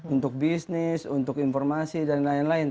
untuk bisnis untuk informasi dan lain lain